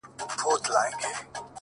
جدايي وخوړم لاليه ـ ستا خبر نه راځي ـ